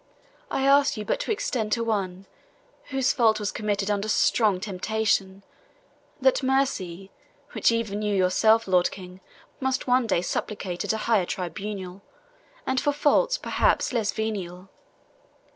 I ask you but to extend to one, whose fault was committed under strong temptation, that mercy, which even you yourself, Lord King, must one day supplicate at a higher tribunal, and for faults, perhaps, less venial."